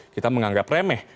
kita menganggap remeh